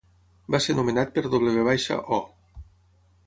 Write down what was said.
Va ser nomenat per W. O.